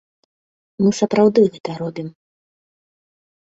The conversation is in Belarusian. Мы сапраўды гэта робім.